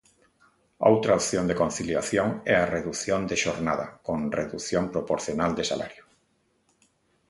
Outra opción de conciliación é a redución de xornada, con redución proporcional de salario.